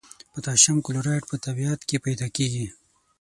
پوتاشیم کلورایډ په طبیعت کې پیداکیږي.